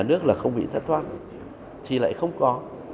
nếu nhà nước là không bị thất thoát thì lại không có